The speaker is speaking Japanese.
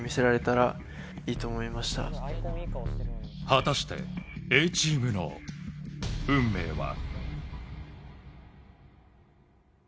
果たして、Ａチームの運命は。